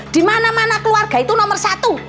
dimana mana keluarga itu nomor satu